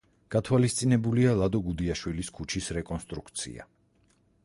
გათვალისწინებულია ლადო გუდიაშვილის ქუჩის რეკონსტრუქცია.